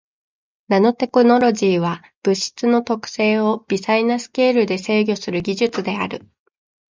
ナノテクノロジーは物質の特性を微細なスケールで制御する技術である。